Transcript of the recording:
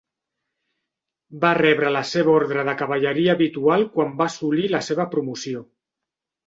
Va rebre la seva ordre de cavalleria habitual quan va assolir la seva promoció.